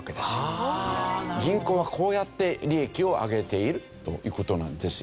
銀行はこうやって利益を上げているという事なんですよね。